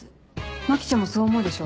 牧ちゃんもそう思うでしょ？